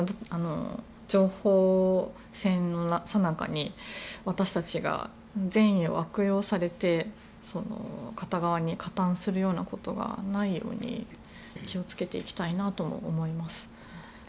情報戦のさなかに私たちが善意を悪用されて片側に加担するようなことがないように気を付けていきたいなと思います。